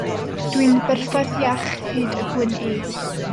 Dw i'n berffaith iach hyd y gwn i.